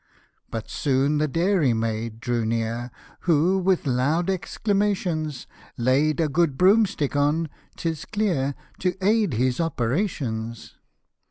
But soon the dairy maid drew near, Who, with loud exclamations, Laid a good broomstick on, 'tis clear, To aid his operations.